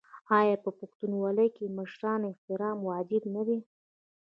آیا په پښتونولۍ کې د مشرانو احترام واجب نه دی؟